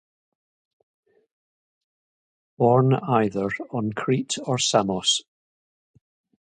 Born either on Crete or Samos.